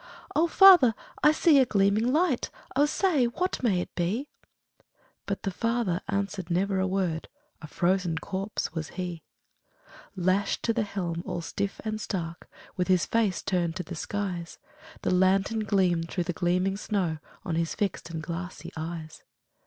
'O father! I see a gleaming light, O say, what may it be?' But the father answered never a word, A frozen corpse was he. Lashed to the helm, all stiff and stark, With his face turned to the skies, The lantern gleamed through the gleaming snow On his fixed and glassy eyes.